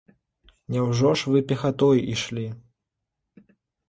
Няўжо ж вы пехатой ішлі?